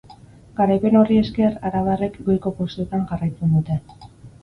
Garaipen horri esker, arabarrek goiko postuetan jarraitzen dute.